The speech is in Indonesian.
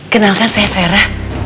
kenalkan saya vera